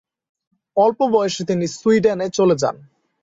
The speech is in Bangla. অল্প বয়সে তিনি সুইডেনে চলে যান।